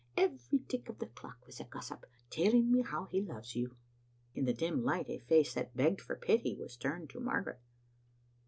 Every tick of the clock was a gossip, telling me how he loves you." In the dim light a face that begged for pity was turned to Margaret.